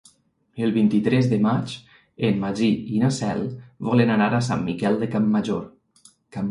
El vint-i-tres de maig en Magí i na Cel volen anar a Sant Miquel de Campmajor.